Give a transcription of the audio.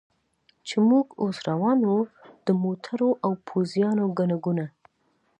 چې موږ اوس روان و، د موټرو او پوځیانو ګڼه ګوڼه.